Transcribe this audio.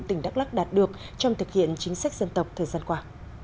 tỉnh đắk lắc đạt được trong thực hiện chính sách dân tộc thời gian qua